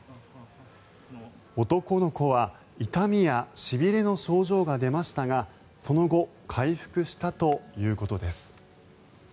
男の子は痛みやしびれの症状が出ましたがその後回復したということです。